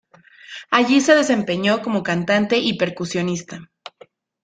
Allí se desempeñó como cantante y percusionista.